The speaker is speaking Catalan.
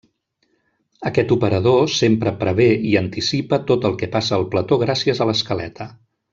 Aquest operador sempre prevé i anticipa tot el que passa al plató gràcies a l'escaleta.